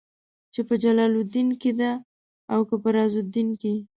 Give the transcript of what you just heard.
چې په جلال الدين کې ده او که په رازالدين کې.